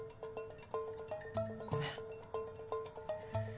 ごめん。